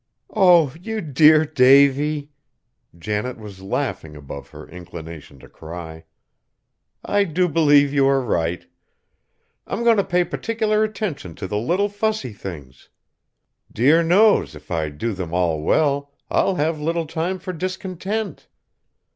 "Oh! you dear Davy!" Janet was laughing above her inclination to cry. "I do believe you are right. I'm going to pay particular attention to the little fussy things. Dear knows! if I do them all well, I'll have little time for discontent."